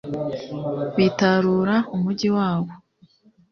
bitarura umugi wabo